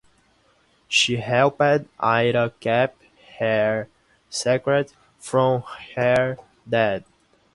She helped Aira keep her secret from her dad.